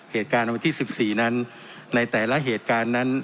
เหตุการณ์วันที่๑๔นั้นในแต่ละเหตุการณ์นั้น